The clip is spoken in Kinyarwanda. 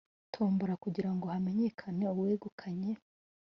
tombola kugira ngo hamenyekane uwegukanye